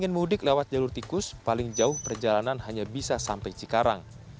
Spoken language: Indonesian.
ingin mudik lewat jalur tikus paling jauh perjalanan hanya bisa sampai cikarang